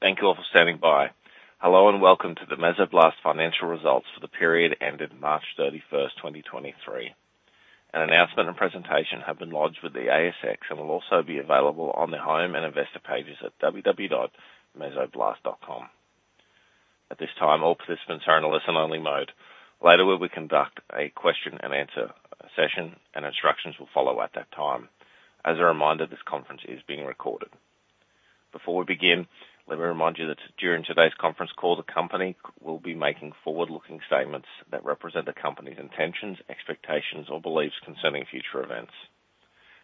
Thank you all for standing by. Hello, welcome to the Mesoblast financial results for the period ended March 31st, 2023. An announcement and presentation have been lodged with the ASX and will also be available on the Home and Investor pages at www.mesoblast.com. At this time, all participants are in a listen-only mode. Later, we will conduct a question-and-answer session, and instructions will follow at that time. As a reminder, this conference is being recorded. Before we begin, let me remind you that during today's conference call, the company will be making forward-looking statements that represent the company's intentions, expectations or beliefs concerning future events.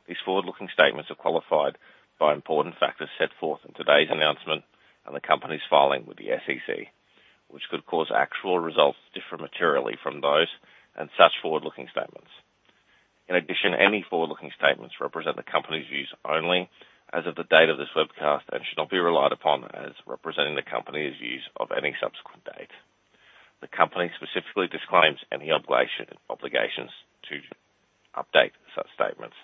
These forward-looking statements are qualified by important factors set forth in today's announcement and the company's filing with the SEC, which could cause actual results to differ materially from those and such forward-looking statements. In addition, any forward-looking statements represent the company's views only as of the date of this webcast and should not be relied upon as representing the company's views of any subsequent date. The company specifically disclaims any obligations to update such statements.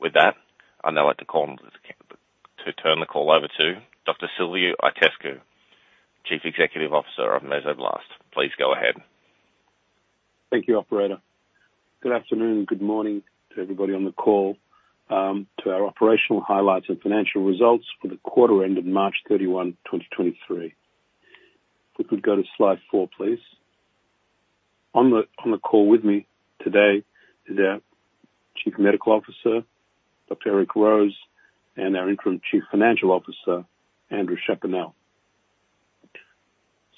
With that, I'd now like to call on to turn the call over to Dr. Silviu Itescu, Chief Executive Officer of Mesoblast. Please go ahead. Thank you, operator. Good afternoon, good morning to everybody on the call, to our operational highlights and financial results for the quarter ended March 31, 2023. If we could go to slide four, please. On the call with me today is our Chief Medical Officer, Dr. Eric Rose, and our Interim Chief Financial Officer, Andrew Chaponnel.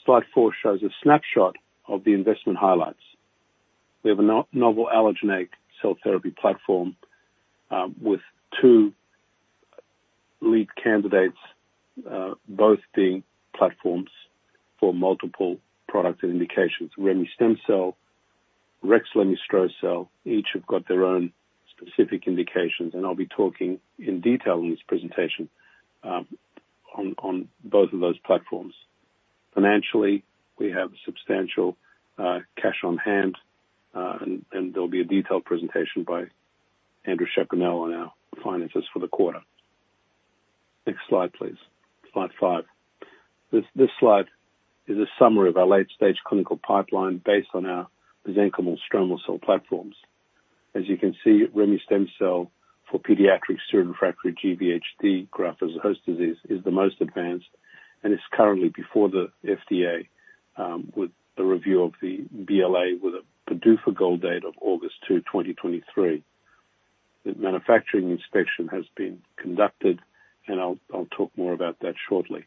Slide four shows a snapshot of the investment highlights. We have a novel allogeneic cell therapy platform, with two lead candidates, both being platforms for multiple products and indications. remestemcel-L, rexlemestrocel-L, each have got their own specific indications. I'll be talking in detail in this presentation on both of those platforms. Financially, we have substantial cash on hand, and there'll be a detailed presentation by Andrew Chaponnel on our finances for the quarter. Next slide, please. Slide five. This slide is a summary of our late-stage clinical pipeline based on our mesenchymal stromal cell platforms. As you can see, remestemcel-L for pediatric steroid-refractory GvHD, Graft-versus-host disease, is the most advanced and is currently before the FDA, with the review of the BLA with a PDUFA goal date of August 2, 2023. The manufacturing inspection has been conducted, and I'll talk more about that shortly.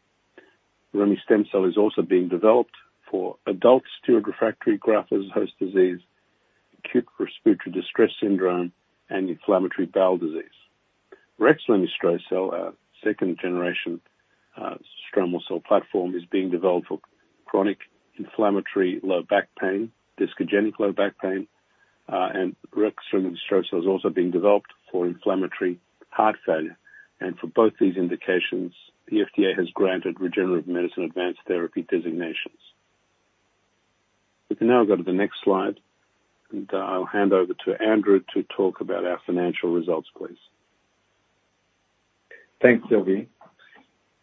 remestemcel-L is also being developed for adult steroid-refractory Graft-versus-host disease, acute respiratory distress syndrome, and inflammatory bowel disease. rexlemestrocel-L, our second generation, stromal cell platform, is being developed for chronic inflammatory low back pain, discogenic low back pain, and rexlemestrocel-L is also being developed for inflammatory heart failure. For both these indications, the FDA has granted Regenerative Medicine Advanced Therapy designations. We can now go to the next slide, and I'll hand over to Andrew to talk about our financial results, please. Thanks, Silviu.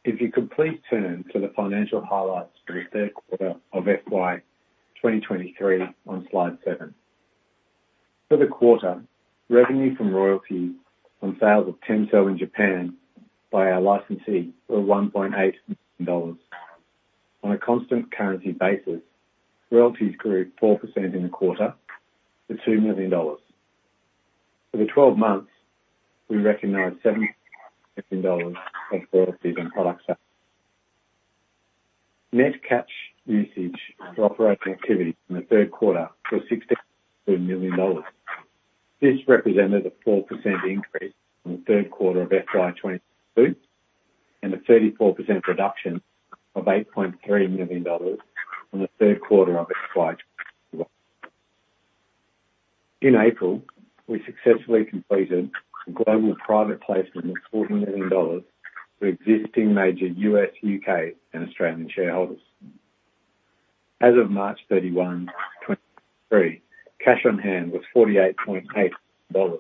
If you complete turn to the financial highlights for the third quarter of FY 2023 on slide seven. For the quarter, revenue from royalties on sales of TEMCELL in Japan by our licensee were $1.8 million. On a constant currency basis, royalties grew 4% in the quarter to $2 million. For the 12 months, we recognized $7 million of royalties and product sales. Net cash usage for operating activities in the third quarter was $16 million. This represented a 4% increase from the third quarter of FY 2022, and a 34% reduction of $8.3 million from the third quarter of FY 2021. In April, we successfully completed a global private placement of $40 million for existing major U.S., U.K., and Australian shareholders. As of March 31, 2023, cash on hand was $48.8 million.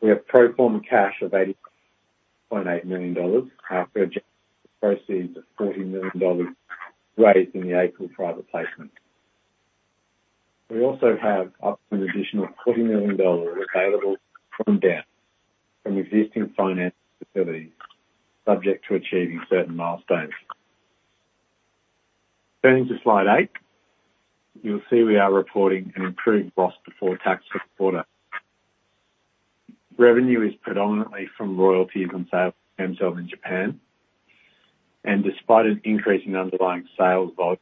We have pro forma cash of $80.8 million after adjusting the proceeds of $40 million raised in the April private placement. We also have up to an additional $40 million available from debt from existing finance facilities, subject to achieving certain milestones. Turning to slide eight, you'll see we are reporting an improved loss before tax for the quarter. Revenue is predominantly from royalties on sale of TEMCELL in Japan, despite an increase in underlying sales volume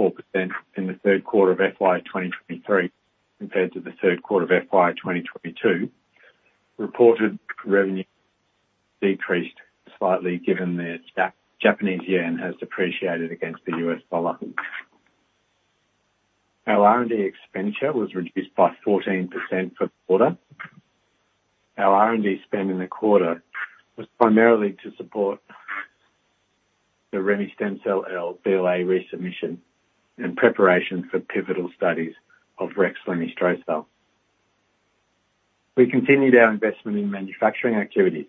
of 4% in the 3rd quarter of FY 2023 compared to the 3rd quarter of FY 2022, reported revenue decreased slightly given the Japanese yen has appreciated against the US dollar. Our R&D expenditure was reduced by 14% for the quarter. Our R&D spend in the quarter was primarily to support the remestemcel-L BLA resubmission and preparation for pivotal studies of rexlemestrocel-L. We continued our investment in manufacturing activities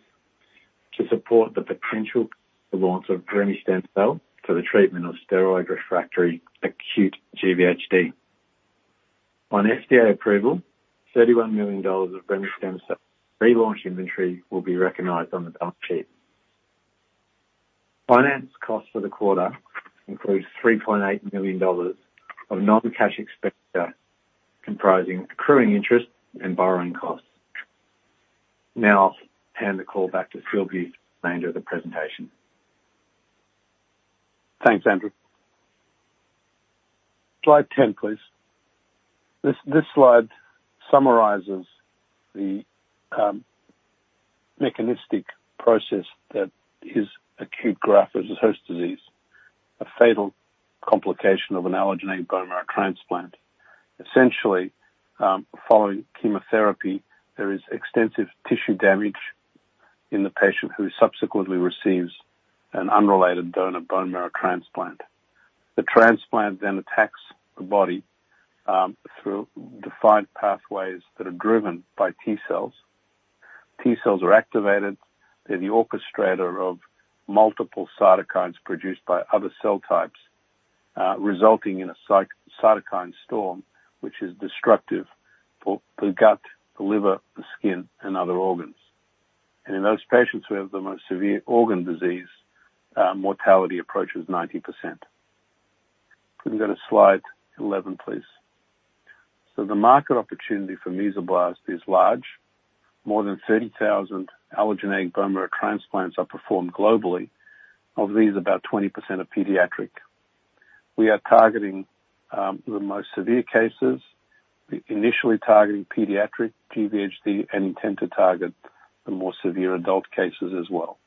to support the potential launch of remestemcel-L for the treatment of steroid-refractory acute GvHD. On FDA approval, $31 million of remestemcel-L relaunch inventory will be recognized on the balance sheet. Finance costs for the quarter includes $3.8 million of non-cash expenditure, comprising accruing interest and borrowing costs. Now I'll hand the call back to Silviu for the remainder of the presentation. Thanks, Andrew. Slide 10, please. This slide summarizes the mechanistic process that is acute graft-versus-host disease, a fatal complication of an allogeneic bone marrow transplant. Essentially, following chemotherapy, there is extensive tissue damage in the patient who subsequently receives an unrelated donor bone marrow transplant. The transplant then attacks the body through defined pathways that are driven by T cells. T cells are activated. They're the orchestrator of multiple cytokines produced by other cell types, resulting in a cytokine storm, which is destructive for the gut, the liver, the skin, and other organs. In those patients who have the most severe organ disease, mortality approaches 90%. Can we go to slide 11, please? The market opportunity for Mesoblast is large. More than 30,000 allogeneic bone marrow transplants are performed globally. Of these, about 20% are pediatric. We are targeting the most severe cases, initially targeting pediatric GvHD, and intend to target the more severe adult cases as well.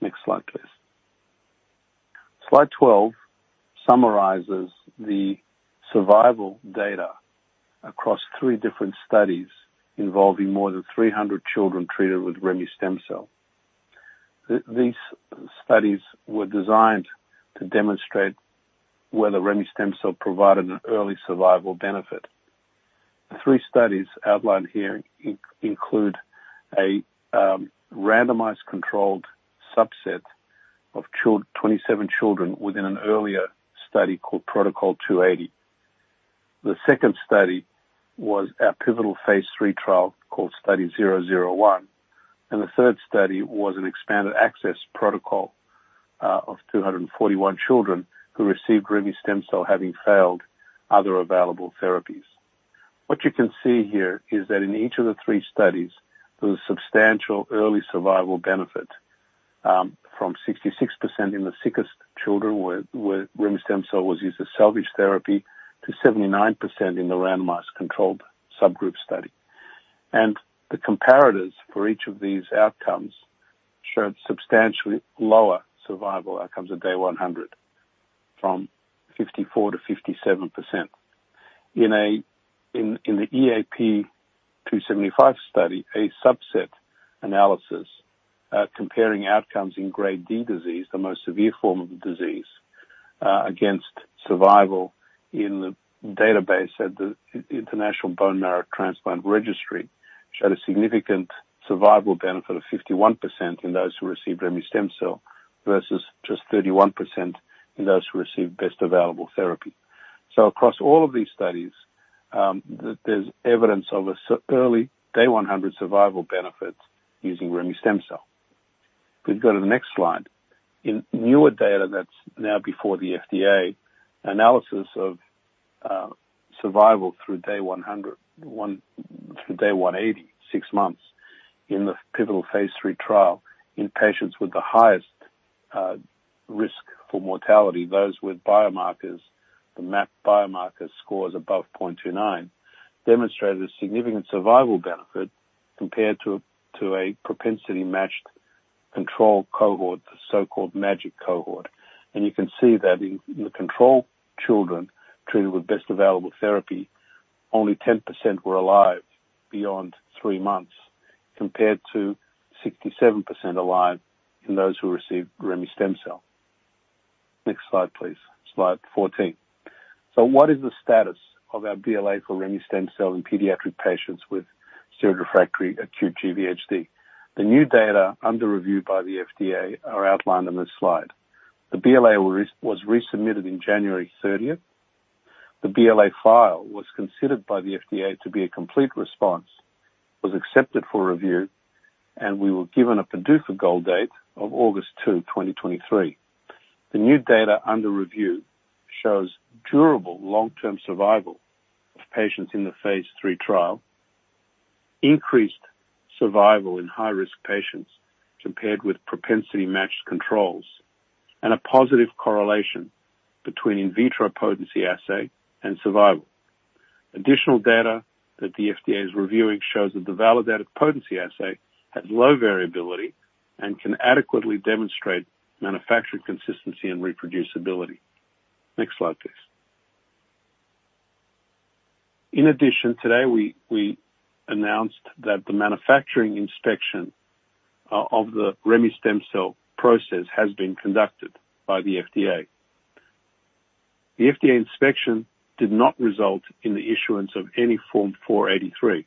Next slide, please. Slide 12 summarizes the survival data across three different studies involving more than 300 children treated with remestemcel-L. These studies were designed to demonstrate whether remestemcel-L provided an early survival benefit. The three studies outlined here include a randomized controlled subset of 27 children within an earlier study called Protocol 280. The 2nd study was our pivotal phase III trial, called Study 001, and the 3rd study was an expanded access protocol of 241 children who received remestemcel-L, having failed other available therapies. What you can see here is that in each of the three studies, there was substantial early survival benefit, from 66% in the sickest children, where remestemcel-L was used as salvage therapy to 79% in the randomized controlled subgroup study. The comparators for each of these outcomes showed substantially lower survival outcomes at day 100, from 54%-57%. In the EAP 275 study, a subset analysis, comparing outcomes in Grade D disease, the most severe form of the disease, against survival in the database at the International Bone Marrow Transplant Registry, showed a significant survival benefit of 51% in those who received remestemcel-L, versus just 31% in those who received best available therapy. Across all of these studies, there's evidence of early day 100 survival benefit using remestemcel-L. Can we go to the next slide? In newer data that's now before the FDA, analysis of survival through day 100 through day 180, six months in the pivotal phase III trial in patients with the highest risk for mortality, those with biomarkers, the MAP biomarker scores above 0.29, demonstrated a significant survival benefit compared to a propensity-matched control cohort, the so-called MAGIC cohort. You can see that in the control children treated with best available therapy, only 10% were alive beyond three months, compared to 67% alive in those who received remestemcel-L. Next slide, please. Slide 14. What is the status of our BLA for remestemcel-L in pediatric patients with steroid-refractory acute GvHD? The new data under review by the FDA are outlined on this slide. The BLA was resubmitted in January 30th. The BLA file was considered by the FDA to be a complete response, was accepted for review, and we were given a PDUFA goal date of August 2, 2023. The new data under review shows durable long-term survival of patients in the phase III trial, increased survival in high-risk patients compared with propensity-matched controls, and a positive correlation between in vitro potency assay and survival. Additional data that the FDA is reviewing shows that the validated potency assay has low variability and can adequately demonstrate manufacturing consistency and reproducibility. Next slide, please. Today we announced that the manufacturing inspection of the remestemcel-L process has been conducted by the FDA. The FDA inspection did not result in the issuance of any Form 483.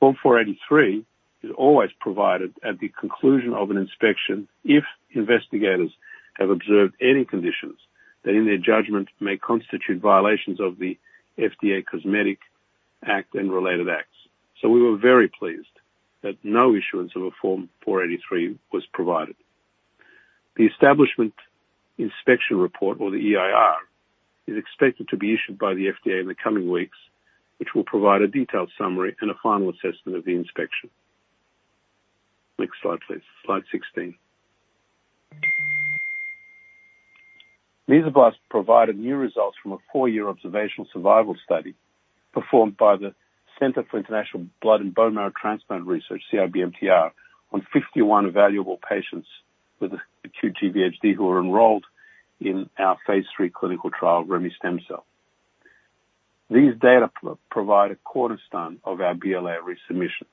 Form 483 is always provided at the conclusion of an inspection if investigators have observed any conditions that, in their judgment, may constitute violations of the FDA Cosmetic Act and related acts. We were very pleased that no issuance of a Form 483 was provided. The Establishment Inspection Report, or the EIR, is expected to be issued by the FDA in the coming weeks, which will provide a detailed summary and a final assessment of the inspection. Next slide, please. Slide 16. Mesoblast provided new results from a four-year observational survival study performed by the Center for International Blood and Marrow Transplant Research, CIBMTR, on 51 valuable patients with acute GvHD who were enrolled in our phase III clinical trial, remestemcel-L. These data provide a cornerstone of our BLA resubmission.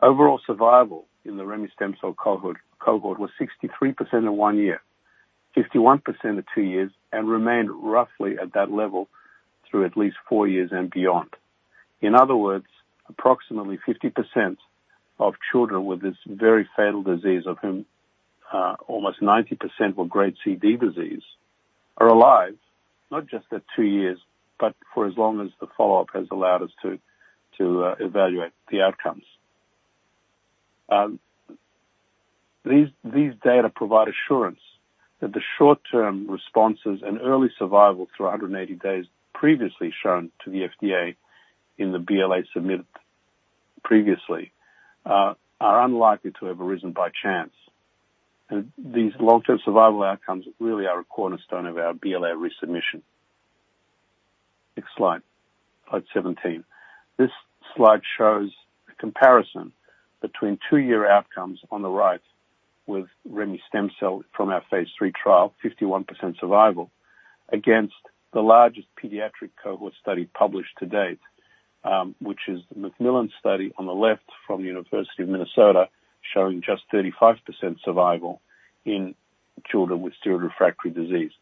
Overall survival in the remestemcel-L cohort was 63% in one year, 51% at two years, and remained roughly at that level through at least four years and beyond. In other words, approximately 50% of children with this very fatal disease, of whom, almost 90% were Grade C, D disease, are alive, not just at two years, but for as long as the follow-up has allowed us to, evaluate the outcomes. These data provide assurance that the short-term responses and early survival through 180 days previously shown to the FDA in the BLA submitted previously, are unlikely to have arisen by chance. These long-term survival outcomes really are a cornerstone of our BLA resubmission. Next slide. Slide 17. This slide shows a comparison between two-year outcomes on the right with remestemcel-L from our phase III trial, 51% survival, against the largest pediatric cohort study published to date, which is the MacMillan study on the left from the University of Minnesota, showing just 35% survival in children with steroid-refractory disease.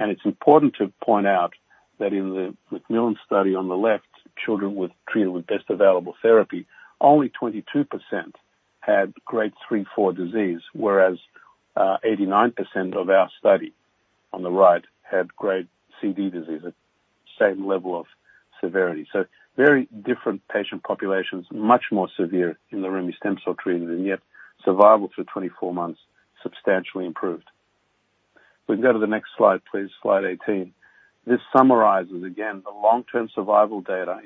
It's important to point out that in the MacMillan study on the left, children were treated with best available therapy. Only 22% had Grade 3/4 disease, whereas 89% of our study on the right had Grade C, D disease, a same level of severity. Very different patient populations, much more severe in the remestemcel-L treatment, and yet survival through 24 months substantially improved. We can go to the next slide, please. Slide 18. This summarizes, again, the long-term survival data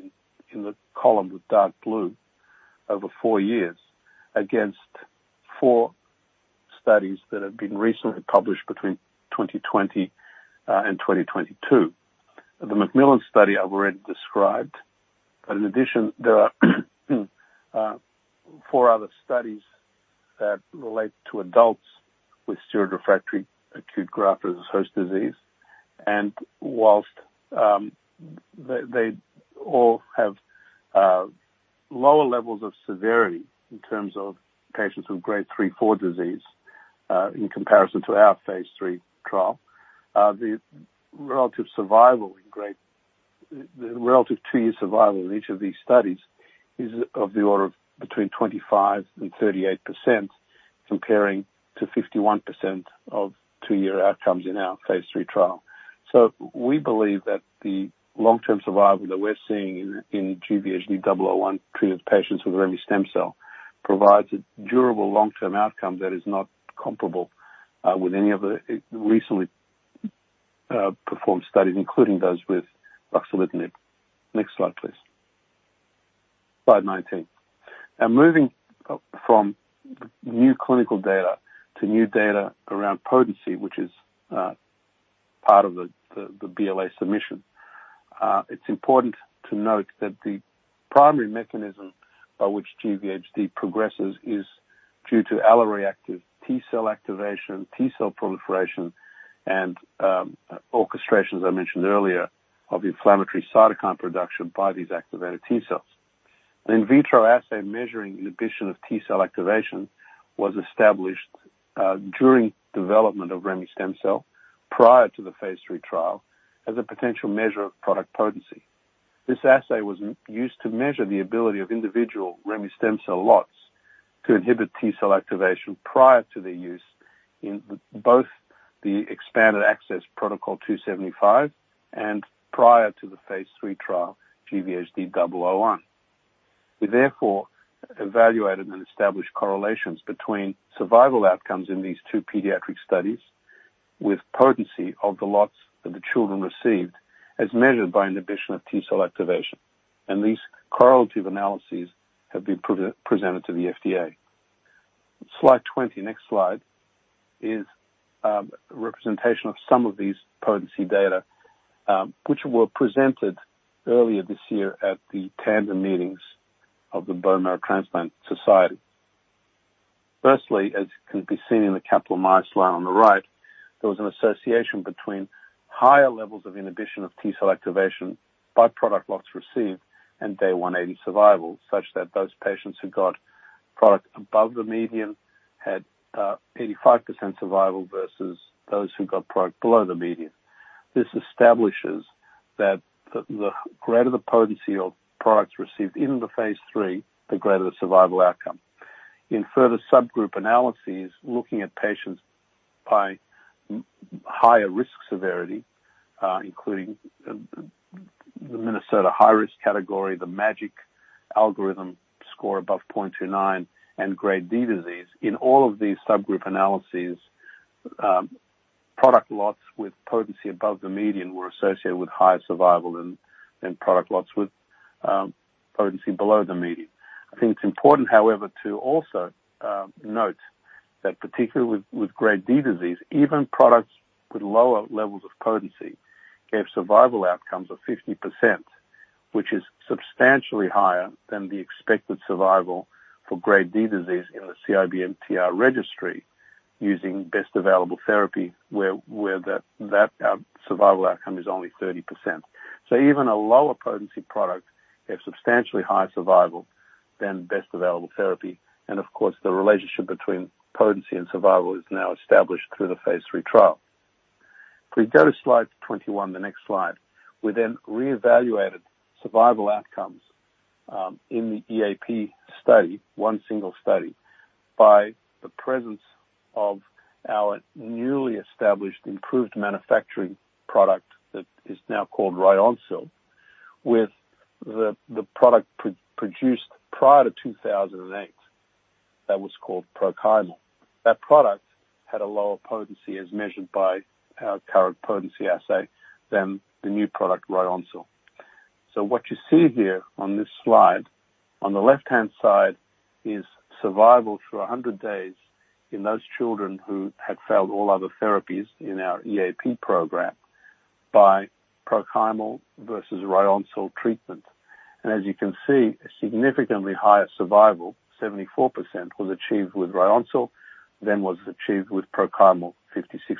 in the column with dark blue over four years, against four studies that have been recently published between 2020 and 2022. The McSweeney study I've already described, in addition, there are four other studies that relate to adults with steroid-refractory acute graft-versus-host disease. Whilst they all have lower levels of severity in terms of patients with Grade 3/4 disease, in comparison to our phase III trial, the relative two-year survival in each of these studies is of the order of between 25%-38%, comparing to 51% of two-year outcomes in our phase III trial. We believe that the long-term survival that we're seeing in GVHD001 treated patients with remestemcel-L provides a durable long-term outcome that is not comparable with any of the recently performed studies, including those with ruxolitinib. Next slide, please. Slide 19. Now moving from new clinical data to new data around potency, which is part of the BLA submission. It's important to note that the primary mechanism by which GvHD progresses is due to alloreactive T cell activation, T cell proliferation, and orchestration, as I mentioned earlier, of inflammatory cytokine production by these activated T cells. An in vitro assay measuring inhibition of T cell activation was established during development of remestemcel-L prior to the phase III trial as a potential measure of product potency. This assay was used to measure the ability of individual remestemcel-L lots to inhibit T cell activation prior to their use in both the EAP 275 and prior to the phase III trial, GVHD001. We therefore evaluated and established correlations between survival outcomes in these two pediatric studies with potency of the lots that the children received, as measured by inhibition of T cell activation, and these correlative analyses have been presented to the FDA. Slide 20, next slide, is a representation of some of these potency data which were presented earlier this year at the tandem meetings of the Bone Marrow Transplant Society. As can be seen in the capitalized line on the right, there was an association between higher levels of inhibition of T-cell activation by product lots received and day 180 survival, such that those patients who got product above the median had 85% survival versus those who got product below the median. This establishes that the greater the potency of products received in the phase III, the greater the survival outcome. Further subgroup analyses, looking at patients by higher risk severity, including the Minnesota high-risk category, the MAGIC algorithm score above 0.29, and Grade D disease. All of these subgroup analyses, product lots with potency above the median were associated with higher survival than product lots with potency below the median. I think it's important, however, to also note that particularly with Grade D disease, even products with lower levels of potency gave survival outcomes of 50%, which is substantially higher than the expected survival for Grade D disease in the CIBMTR registry using best available therapy, where the that survival outcome is only 30%. Even a lower potency product have substantially higher survival than best available therapy, and of course, the relationship between potency and survival is now established through the phase III trial. If we go to slide 21, the next slide, we then re-evaluated survival outcomes in the EAP study, one single study, by the presence of our newly established improved manufacturing product that is now called Ryoncil, with the product produced prior to 2008 that was called Prochymal. That product had a lower potency as measured by our current potency assay than the new product, Ryoncil. What you see here on this slide, on the left-hand side, is survival through 100 days in those children who had failed all other therapies in our EAP program by Prochymal versus Ryoncil treatment. As you can see, a significantly higher survival, 74%, was achieved with Ryoncil than was achieved with Prochymal, 56%.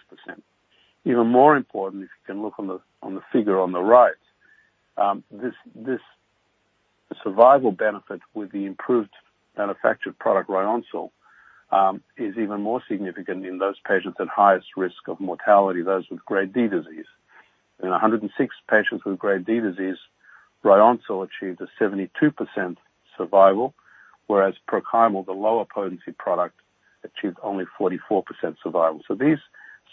Even more important, if you can look on the figure on the right, this survival benefit with the improved manufactured product, Ryoncil, is even more significant in those patients at highest risk of mortality, those with Grade D disease. In 106 patients with Grade D disease, Ryoncil achieved a 72% survival, whereas Prochymal, the lower potency product, achieved only 44% survival. These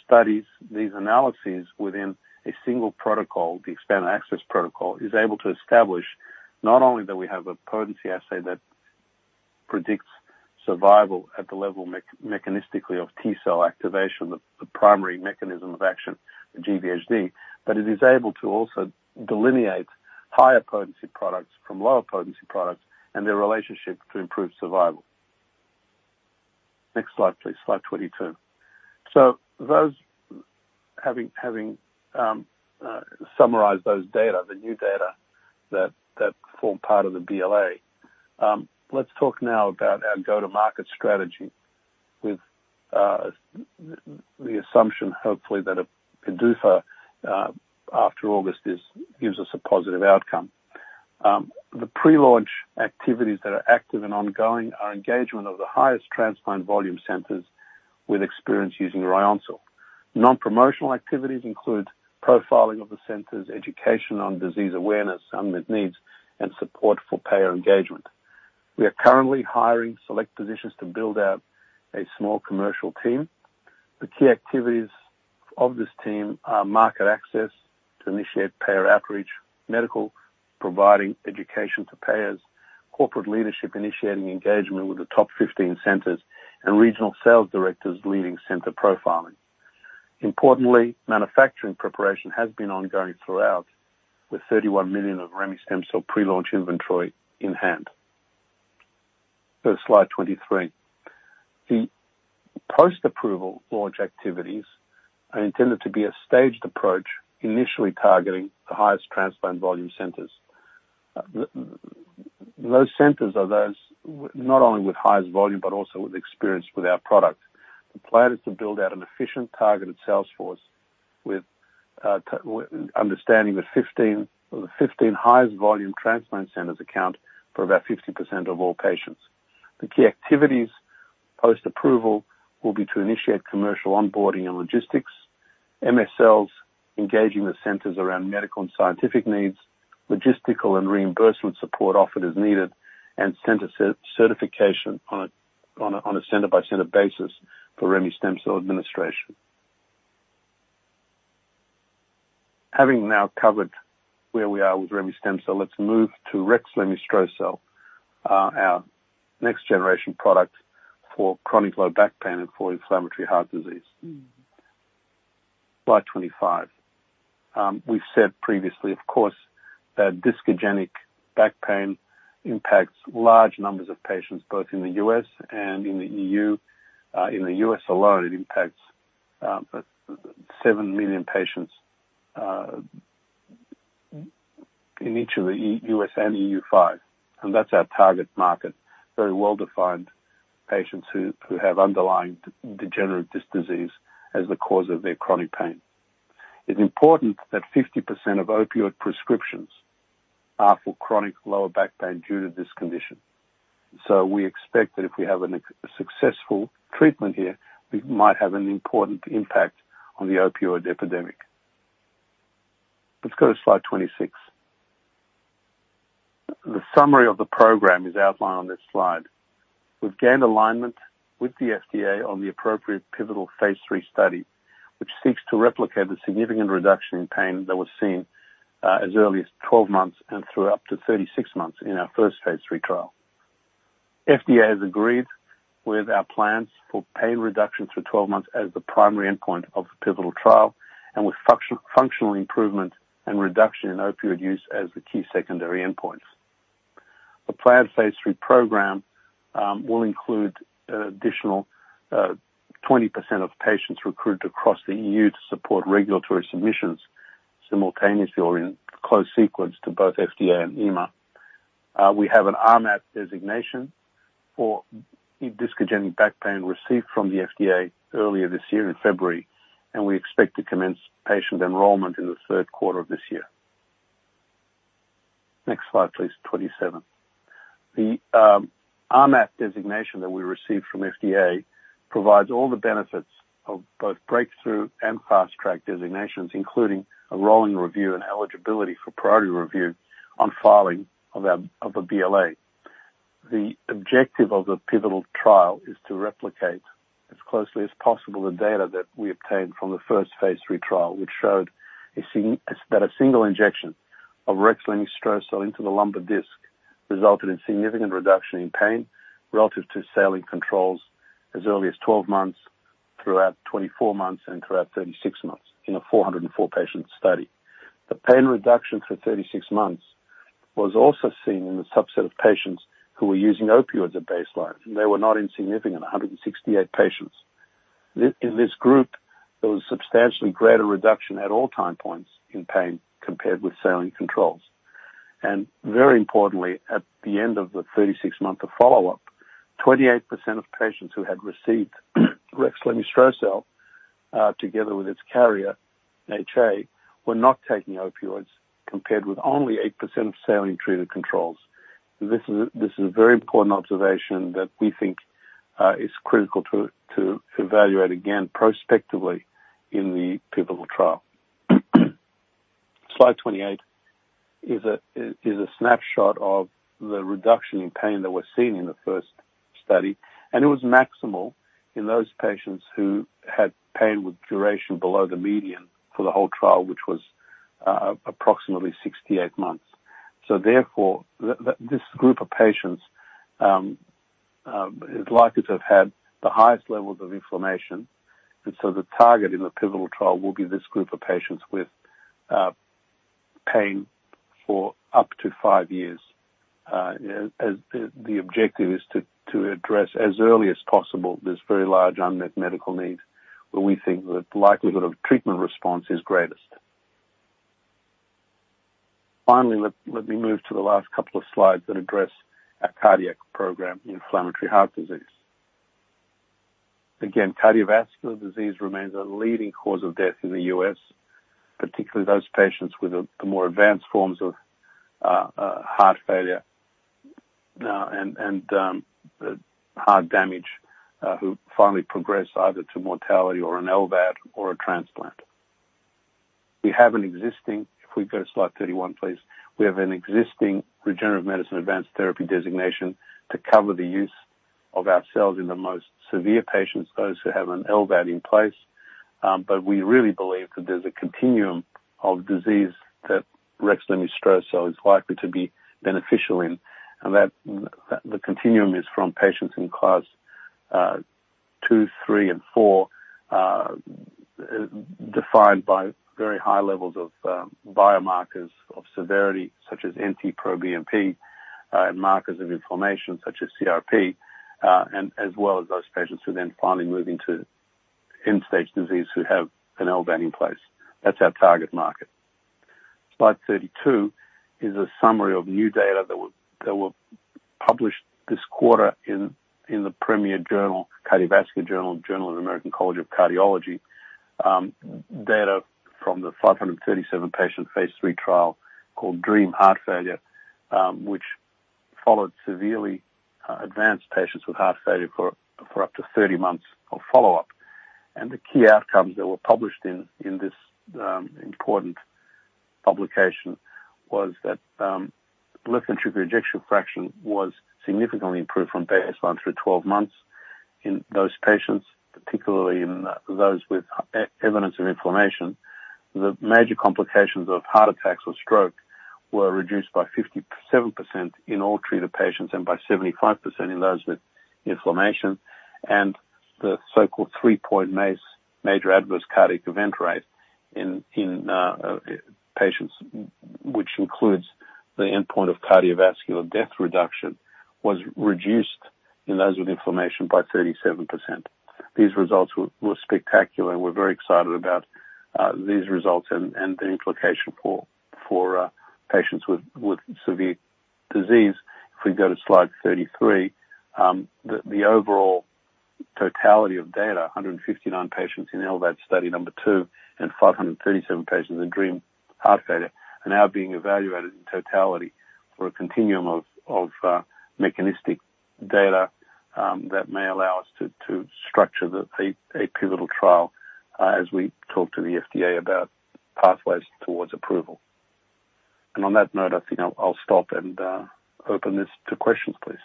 studies, these analyses within a single protocol, the expanded access protocol, is able to establish not only that we have a potency assay that predicts survival at the level mechanistically of T cell activation, the primary mechanism of action for GvHD, but it is able to also delineate higher potency products from lower potency products and their relationship to improved survival. Next slide, please, slide 22. Those having summarized those data, the new data that form part of the BLA. Let's talk now about our go-to-market strategy with the assumption, hopefully, that a PDUFA after August is, gives us a positive outcome. The pre-launch activities that are active and ongoing are engagement of the highest transplant volume centers with experience using Ryoncil. Non-promotional activities include profiling of the centers, education on disease awareness, unmet needs, and support for payer engagement. We are currently hiring select positions to build out a small commercial team. The key activities of this team are market access to initiate payer outreach, medical, providing education to payers, corporate leadership initiating engagement with the top 15 centers, and regional sales directors leading center profiling. Importantly, manufacturing preparation has been ongoing throughout, with $31 million of remestemcel-L pre-launch inventory in hand. Go to slide 23. The post-approval launch activities are intended to be a staged approach, initially targeting the highest transplant volume centers. those centers are those not only with highest volume, but also with experience with our product. The plan is to build out an efficient, targeted sales force with understanding the 15 highest volume transplant centers account for about 50% of all patients. The key activities post-approval will be to initiate commercial onboarding and logistics, MSLs engaging the centers around medical and scientific needs, logistical and reimbursement support offered as needed, and center certification on a center-by-center basis for remestemcel-L administration. Having now covered where we are with remestemcel-L, let's move to rexlemestrocel-L, our next-generation product for chronic low back pain and for inflammatory heart disease. Slide 25. We've said previously, of course, that discogenic back pain impacts large numbers of patients, both in the U.S. and in the EU. In the U.S. alone, it impacts 7 million patients in each of the U.S. and EU5, and that's our target market. Very well-defined patients who have underlying degenerative disc disease as the cause of their chronic pain. It's important that 50% of opioid prescriptions are for chronic lower back pain due to this condition. We expect that if we have a successful treatment here, we might have an important impact on the opioid epidemic. Let's go to slide 26. The summary of the program is outlined on this slide. We've gained alignment with the FDA on the appropriate pivotal phase III study, which seeks to replicate the significant reduction in pain that was seen as early as 12 months and through up to 36 months in our first phase III trial. FDA has agreed with our plans for pain reduction through 12 months as the primary endpoint of the pivotal trial, and with function, functional improvement and reduction in opioid use as the key secondary endpoints. The planned phase III program will include additional 20% of patients recruited across the EU to support regulatory submissions simultaneously or in close sequence to both FDA and EMA. We have an RMAT designation for discogenic low back pain received from the FDA earlier this year in February, we expect to commence patient enrollment in the third quarter of this year. Next slide, please, 27. The RMAT designation that we received from FDA provides all the benefits of both breakthrough and fast track designations, including a rolling review and eligibility for priority review on filing of a BLA. The objective of the pivotal trial is to replicate as closely as possible, the data that we obtained from the first phase III trial, which showed that a single injection of rexlemestrocel-L into the lumbar disc resulted in significant reduction in pain relative to saline controls as early as 12 months, throughout 24 months and throughout 36 months in a 404 patient study. The pain reduction for 36 months was also seen in the subset of patients who were using opioids at baseline. They were not insignificant, 168 patients. In this group, there was substantially greater reduction at all time points in pain compared with saline controls. Very importantly, at the end of the 36-month follow-up, 28% of patients who had received rexlemestrocel-L, together with its carrier, HA, were not taking opioids, compared with only 8% of saline-treated controls. This is a very important observation that we think is critical to evaluate again, prospectively in the pivotal trial. Slide 28 is a snapshot of the reduction in pain that was seen in the first study, and it was maximal in those patients who had pain with duration below the median for the whole trial, which was approximately 68 months. Therefore, this group of patients is likely to have had the highest levels of inflammation. The target in the pivotal trial will be this group of patients with pain for up to five years. As the objective is to address as early as possible this very large unmet medical need, where we think that the likelihood of treatment response is greatest. Finally, let me move to the last couple of slides that address our cardiac program in inflammatory heart disease. Cardiovascular disease remains a leading cause of death in the U.S., particularly those patients with the more advanced forms of heart failure, and heart damage, who finally progress either to mortality or an LVAD or a transplant. If we go to slide 31, please. We have an existing Regenerative Medicine Advanced Therapy designation to cover the use of our cells in the most severe patients, those who have an LVAD in place. We really believe that there's a continuum of disease that rexlemestrocel-L is likely to be beneficial in, and that the continuum is from patients in classes two, three, and four, defined by very high levels of biomarkers of severity, such as NT-proBNP, and markers of inflammation such as CRP, and as well as those patients who then finally move into end-stage disease, who have an LVAD in place. That's our target market. Slide 32 is a summary of new data that were published this quarter in the premier journal, cardiovascular journal, Journal of the American College of Cardiology. Data from the 537 patient phase III trial called DREAM Heart Failure, which followed severely advanced patients with heart failure for up to 30 months of follow-up. The key outcomes that were published in this important publication was that left ventricular ejection fraction was significantly improved from baseline through 12 months in those patients, particularly in those with evidence of inflammation. The major complications of heart attacks or stroke were reduced by 57% in all treated patients and by 75% in those with inflammation. The so-called three-point MACE, major adverse cardiac event rate in patients, which includes the endpoint of cardiovascular death reduction, was reduced in those with inflammation by 37%. These results were spectacular, and we're very excited about these results and the implication for patients with severe disease. If we go to slide 33, the overall totality of data, 159 patients in LVAD study number two, and 537 patients in DREAM heart failure, are now being evaluated in totality for a continuum of mechanistic data that may allow us to structure a pivotal trial as we talk to the FDA about pathways towards approval. On that note, I think I'll stop and open this to questions, please.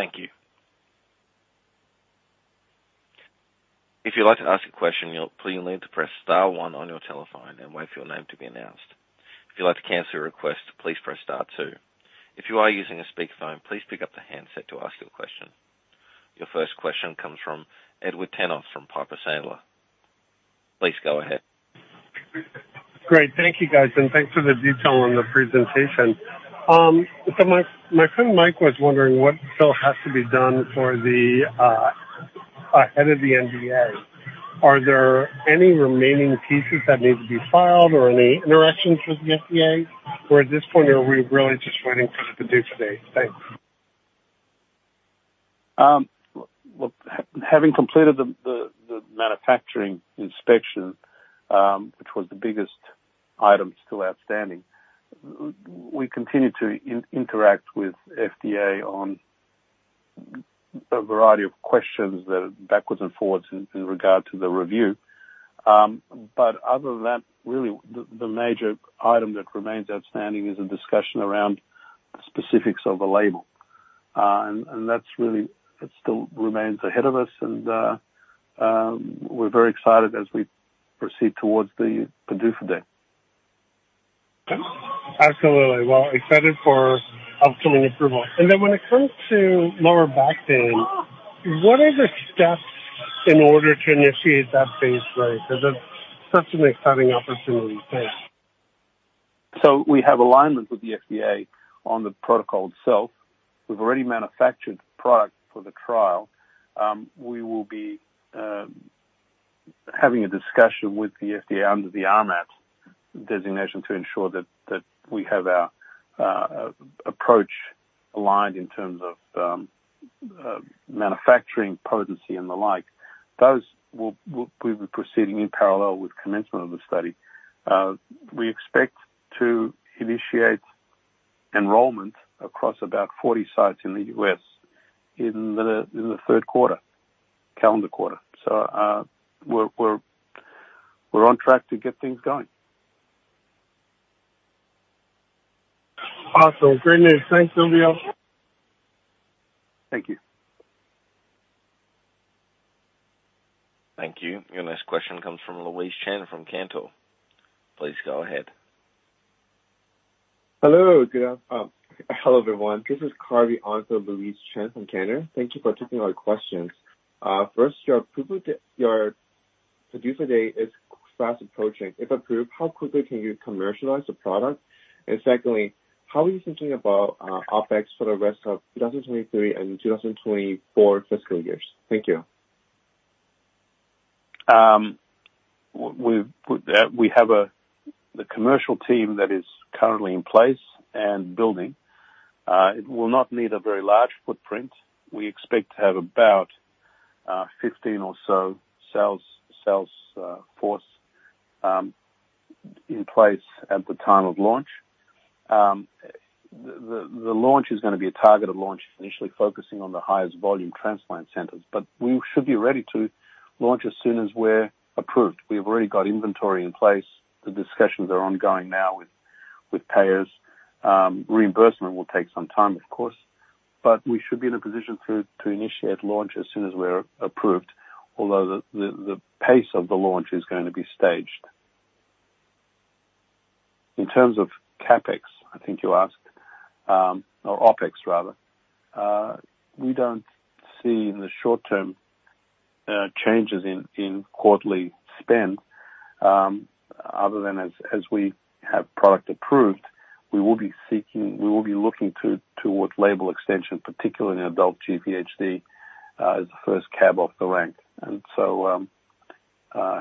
Thank you. If you'd like to ask a question, you'll please need to press star one on your telephone and wait for your name to be announced. If you'd like to cancel your request, please press star two. If you are using a speakerphone, please pick up the handset to ask your question. Your first question comes from Edward Tenthoff from Piper Sandler. Please go ahead. Great. Thank you, guys, and thanks for the detail on the presentation. My friend Mike was wondering what still has to be done for the head of the NDA. Are there any remaining pieces that need to be filed or any interactions with the FDA? At this point, are we really just waiting for the PDUFA date? Thanks. Well, having completed the manufacturing inspection, which was the biggest item still outstanding, we continue to interact with FDA on a variety of questions that backwards and forwards in regard to the review. Other than that, really, the major item that remains outstanding is a discussion around the specifics of the label. That's really, it still remains ahead of us, and, we're very excited as we proceed towards the PDUFA date. Absolutely. Well, excited for upcoming approval. Then when it comes to lower back pain, what are the steps in order to initiate that phase right? That's such an exciting opportunity. Thanks. We have alignment with the FDA on the protocol itself. We've already manufactured product for the trial. We will be having a discussion with the FDA under the RMAT designation to ensure that we have our approach aligned in terms of manufacturing potency and the like. Those we'll be proceeding in parallel with commencement of the study. We expect to initiate enrollment across about 40 sites in the U.S. in the third quarter, calendar quarter. We're on track to get things going. Awesome. Great news. Thanks, Silviu. Thank you. Thank you. Your next question comes from Louise Chen from Cantor Fitzgerald. Please go ahead. Hello, everyone. This is Carvey on for Louise Chen from Cantor Fitzgerald. Thank you for taking our questions. First, your PDUFA, your PDUFA date is fast approaching. If approved, how quickly can you commercialize the product? Secondly, how are you thinking about OpEx for the rest of 2023 and 2024 fiscal years? Thank you. We have a, the commercial team that is currently in place and building. It will not need a very large footprint. We expect to have about 15 or so sales force in place at the time of launch. The launch is gonna be a targeted launch, initially focusing on the highest volume transplant centers, but we should be ready to launch as soon as we're approved. We've already got inventory in place. The discussions are ongoing now with payers. Reimbursement will take some time, of course, but we should be in a position to initiate launch as soon as we're approved, although the pace of the launch is going to be staged. In terms of CapEx, I think you asked, or OpEx, rather, we don't see in the short term, changes in quarterly spend, other than as we have product approved, we will be looking towards label extension, particularly in adult GvHD, as the first cab off the rank.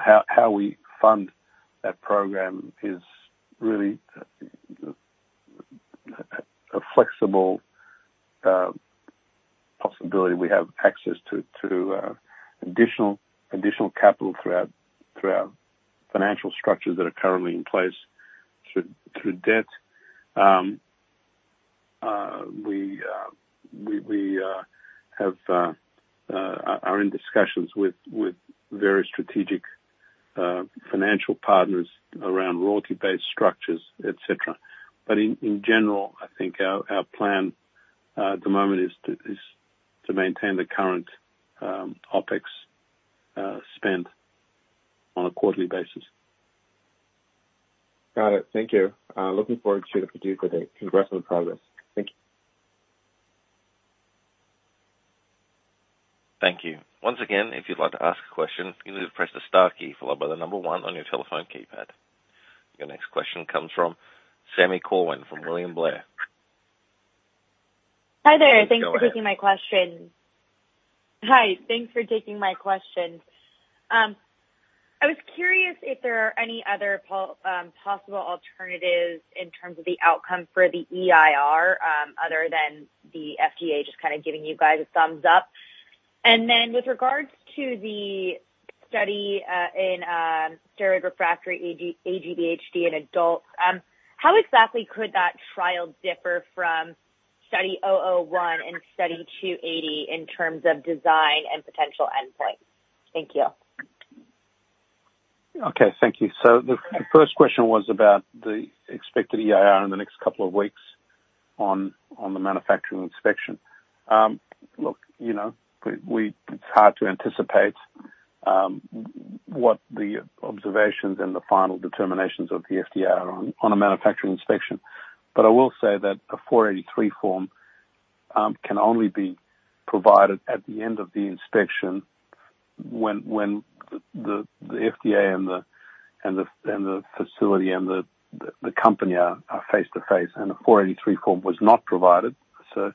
How we fund that program is really a flexible possibility. We have access to additional capital through our financial structures that are currently in place through debt. We have are in discussions with various strategic financial partners around royalty-based structures, et cetera. In general, I think our plan, at the moment is to maintain the current OpEx spend on a quarterly basis. Got it. Thank you. looking forward to the PDUFA date. Congrats on the progress. Thank you. Thank you. Once again, if you'd like to ask a question, you need to press the star key followed by the number one on your telephone keypad. Your next question comes from Sami Corwin from William Blair. Hi there. Go ahead. Thanks for taking my question. Hi, thanks for taking my question. I was curious if there are any other possible alternatives in terms of the outcome for the EIR, other than the FDA just kind of giving you guys a thumbs up? With regards to the study in steroid refractory aGvHD in adults, how exactly could that trial differ from Study 001 and Study 280 in terms of design and potential endpoints? Thank you. Okay, thank you. The first question was about the expected EIR in the next couple of weeks on the manufacturing inspection. look, you know, it's hard to anticipate what the observations and the final determinations of the FDA are on a manufacturing inspection. I will say that a Form 483, can only be provided at the end of the inspection when the FDA and the facility and the company are face to face. A Form 483 was not provided, so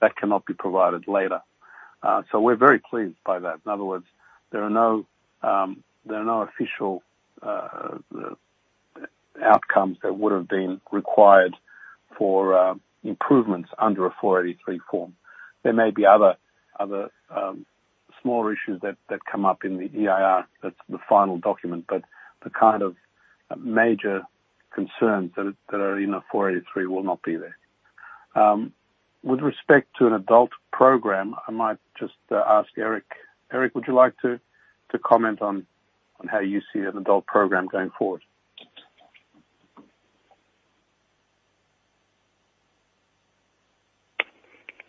that cannot be provided later. so we're very pleased by that. In other words, there are no official outcomes that would've been required for improvements under a Form 483. There may be other, small issues that come up in the EIR, that's the final document, but the kind of major concerns that are in a Form 483 will not be there. With respect to an adult program, I might just ask Eric. Eric, would you like to comment on how you see an adult program going forward?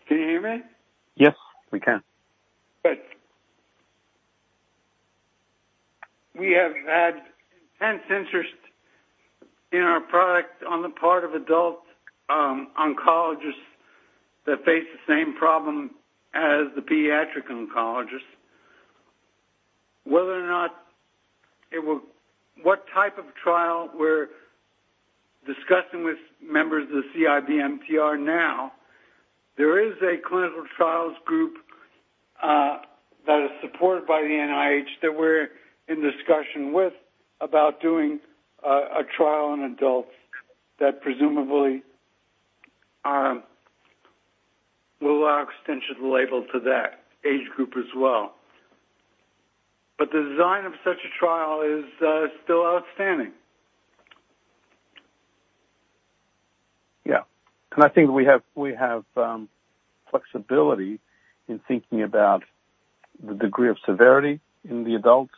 Can you hear me? Yes, we can. Good. We have had intense interest in our product on the part of adult oncologists that face the same problem as the pediatric oncologists. What type of trial we're discussing with members of the CIBMTR now, there is a clinical trials group that is supported by the NIH, that we're in discussion with, about doing a trial in adults that presumably will allow extension of the label to that age group as well. The design of such a trial is still outstanding. I think we have flexibility in thinking about the degree of severity in the adults,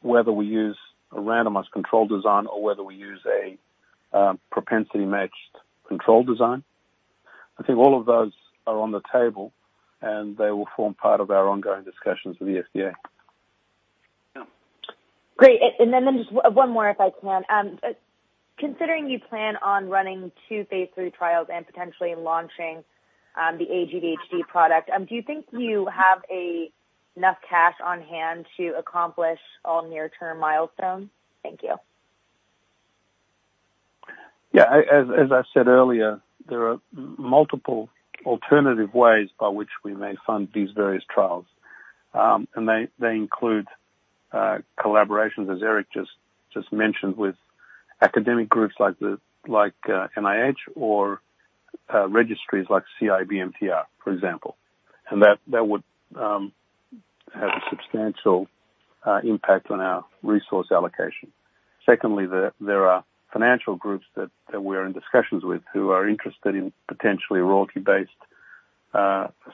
whether we use a randomized control design or whether we use a propensity matched control design. I think all of those are on the table. They will form part of our ongoing discussions with the FDA. Yeah. Great. Then just one more, if I can. Considering you plan on running two phase III trials and potentially launching the aGvHD product, do you think you have enough cash on hand to accomplish all near-term milestones? Thank you. Yeah. As I said earlier, there are multiple alternative ways by which we may fund these various trials. They include collaborations, as Eric just mentioned, with academic groups like the NIH or registries like CIBMTR, for example. That would have a substantial impact on our resource allocation. Secondly, there are financial groups that we're in discussions with, who are interested in potentially royalty-based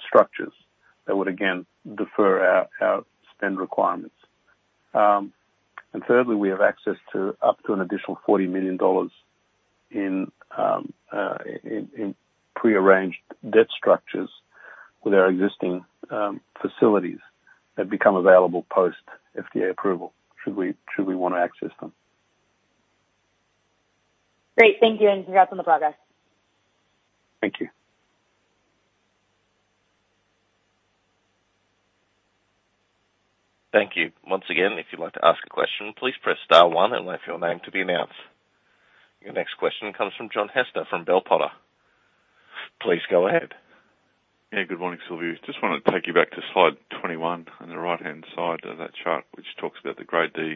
structures that would again, defer our spend requirements. Thirdly, we have access to up to an additional $40 million in pre-arranged debt structures with our existing facilities that become available post FDA approval should we want to access them. Great. Thank you, and congrats on the progress. Thank you. Thank you. Once again, if you'd like to ask a question, please press star one and wait for your name to be announced. Your next question comes from John Hester from Bell Potter. Please go ahead. Yeah, good morning, Silviu Itescu. Just wanted to take you back to slide 21 on the right-hand side of that chart, which talks about the Grade D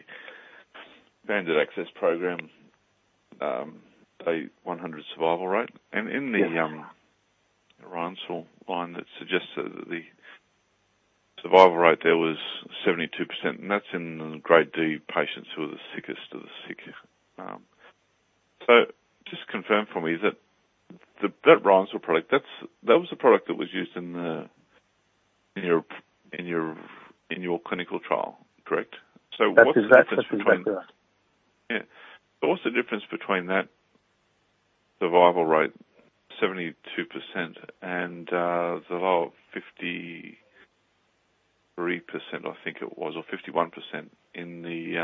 Expanded Access Program, a 100 survival rate. Yes. In the Ryoncil line, that suggests that the survival rate there was 72%, and that's in the Grade D patients who are the sickest of the sick. Just confirm for me, is that the Ryoncil product, that was the product that was used in your clinical trial, correct? That is that. Yeah. What's the difference between that survival rate, 72%, and the 53%, I think it was, or 51% in the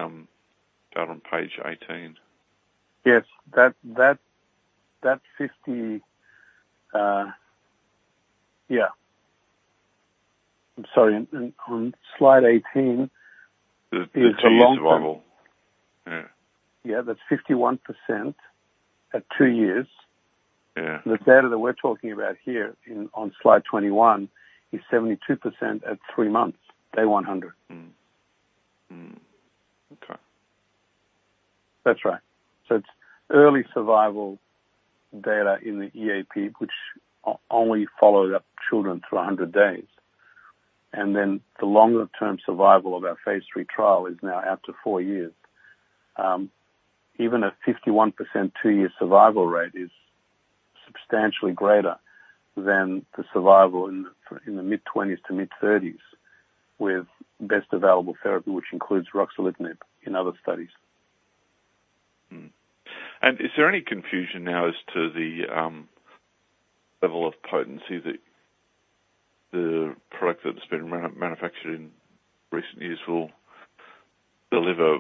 down on page 18? Yes. That 50%. Yeah. I'm sorry, on slide 18. The survival? Yeah, that's 51% at two years. Yeah. The data that we're talking about here in, on slide 21, is 72% at three months, day 100. Mm. Mm, okay. That's right. It's early survival data in the EAP, which only followed up children to 100 days. The longer term survival of our phase III trial is now out to four years. Even a 51% two-year survival rate is substantially greater than the survival in the mid-20s to mid-30s, with best available therapy, which includes ruxolitinib in other studies. Is there any confusion now as to the level of potency that the product that has been manufactured in recent years will deliver?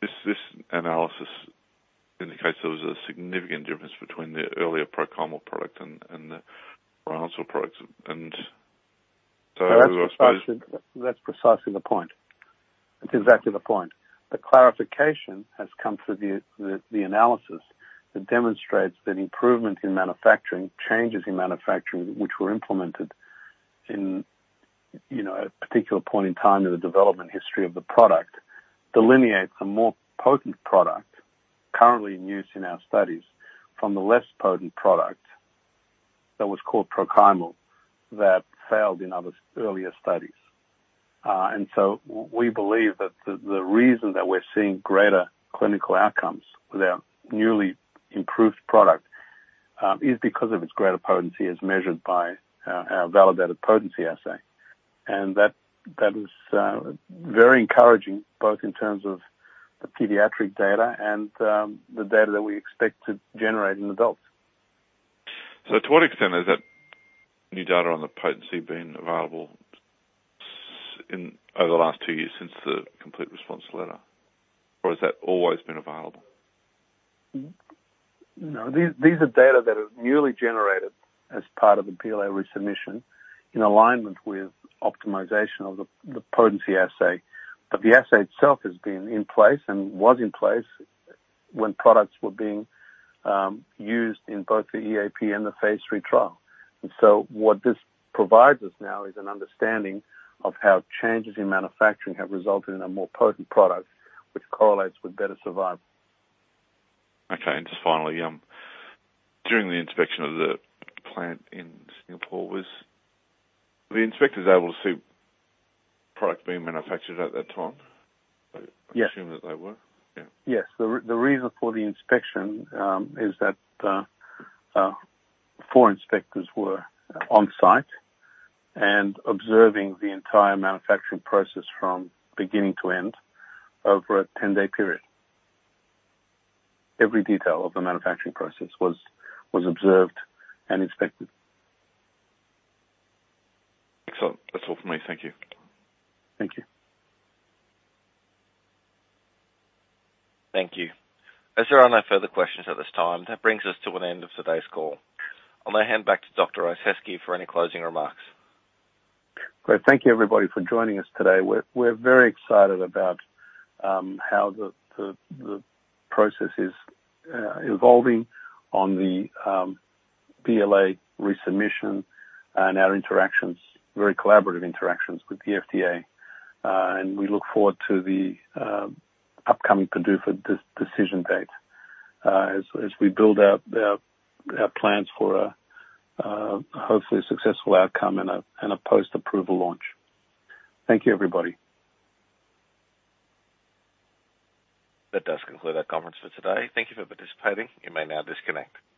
This analysis indicates there was a significant difference between the earlier Prochymal product and the Ryoncil product. I suppose. That's precisely the point. That's exactly the point. The clarification has come through the analysis that demonstrates that improvement in manufacturing, changes in manufacturing, which were implemented in, you know, a particular point in time in the development history of the product, delineates a more potent product currently in use in our studies from the less potent product that was called Prochymal, that failed in other earlier studies. We believe that the reason that we're seeing greater clinical outcomes with our newly improved product, is because of its greater potency as measured by our validated potency assay. That is very encouraging, both in terms of the pediatric data and the data that we expect to generate in adults. To what extent has that new data on the potency been available in over the last two years since the complete response letter, or has that always been available? No, these are data that are newly generated as part of the BLA resubmission in alignment with optimization of the potency assay. The assay itself has been in place and was in place when products were being used in both the EAP and the phase III trial. What this provides us now is an understanding of how changes in manufacturing have resulted in a more potent product, which correlates with better survival. Okay. And just finally, during the inspection of the plant in Singapore, was the inspectors able to see product being manufactured at that time? Yes. I assume that they were. Yeah. Yes. The reason for the inspection, is that, four inspectors were on site and observing the entire manufacturing process from beginning to end over a 10-day period. Every detail of the manufacturing process was observed and inspected. Excellent. That's all for me. Thank you. Thank you. Thank you. As there are no further questions at this time, that brings us to an end of today's call. I'm going to hand back to Dr. Itescu for any closing remarks. Great. Thank you, everybody, for joining us today. We're very excited about how the process is evolving on the BLA resubmission and our very collaborative interactions with the FDA. We look forward to the upcoming PDUFA decision date as we build out our plans for a hopefully a successful outcome and a post-approval launch. Thank you, everybody. That does conclude our conference for today. Thank you for participating. You may now disconnect.